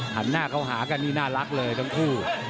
หันหน้าเข้าหากันนี่น่ารักเลยทั้งคู่